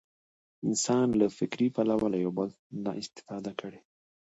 انسان له فکري پلوه له یو بل نه استفاده کړې.